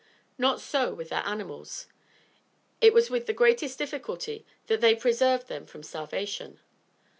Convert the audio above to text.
Not so with their animals. It was with the greatest difficulty that they preserved them from starvation.